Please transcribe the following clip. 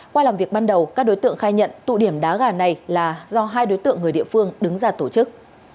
qua làm việc ban đầu các đối tượng khai nhận tụ điểm đá gà này là do hai đối tượng người địa phương đứng ra tổ chức